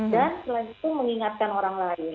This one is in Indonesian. dan selanjutnya mengingatkan orang lain